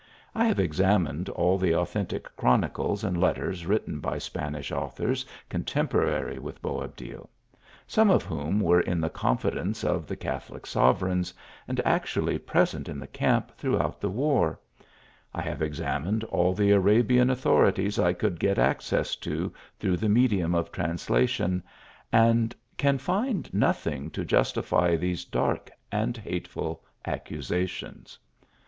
I have examined all the authentic chronicles and letters written by Spanish authors contemporary with Boabdil ; some of whom were in the confidence of the Catholic sovereigns, and act ually present ir the camp throughout the war; I have examined all the Arabian authorities I could get access to through the medium of translation, and can find nothing to justify these dark and hate ful accusations.